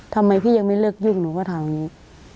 ทำไมพี่ยังไม่เลิกยุ่งหนูก็ถามอย่างนี้